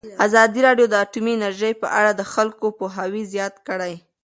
ازادي راډیو د اټومي انرژي په اړه د خلکو پوهاوی زیات کړی.